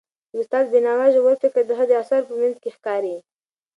د استاد بینوا ژور فکر د هغه د اثارو په منځ کې ښکاري.